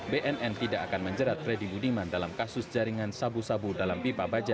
bnn tidak akan menjerat freddy budiman dalam kasus jaringan sabu sabu dalam pipa baja